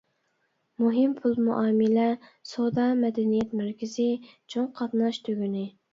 مۇھىم پۇل مۇئامىلە، سودا، مەدەنىيەت مەركىزى، چوڭ قاتناش تۈگۈنى.